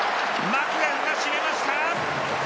マクガフが締めました。